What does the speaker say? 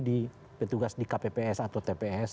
di petugas di kpps atau tps